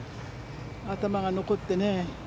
頭が残ってね。